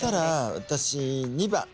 私２番。